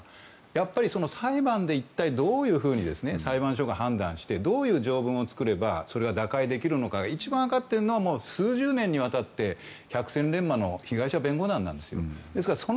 やっぱり裁判で一体どういうふうに裁判所が判断してどういう条文を作ればそれが打開できるのかが一番分かっているのは数十年にわたって百戦錬磨の被害者弁護団なんですよ。